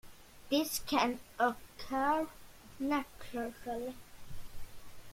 This can occur naturally.